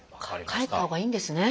帰ったほうがいいんですね。